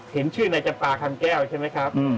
เห็นชื่อในจับปลาคังแก้วใช่ไหมครับ